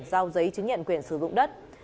giao giấy chứng nhận quyền sử dụng đất